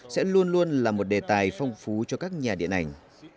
sẽ luôn luôn là một đề tài phong phú cho các nhà điện ảnh